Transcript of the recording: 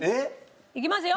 いきますよ。